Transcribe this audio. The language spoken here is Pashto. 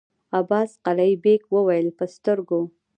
عباس قلي بېګ وويل: په سترګو!